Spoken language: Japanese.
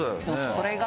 それが。